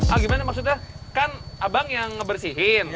ah gimana maksudnya kan abang yang ngebersihin